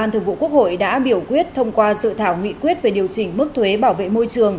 thông qua ubthq đã biểu quyết thông qua dự thảo nghị quyết về điều chỉnh mức thuế bảo vệ môi trường